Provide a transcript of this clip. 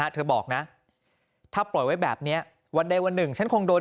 เธอบอกนะถ้าปล่อยไว้แบบนี้วันใดวันหนึ่งฉันคงโดน